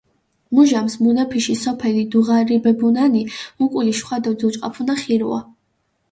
მუჟამს მუნეფიში სოფელი დუღარიბებუნანი, უკული შხვადო დუჭყაფუნა ხირუა.